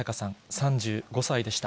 ３５歳でした。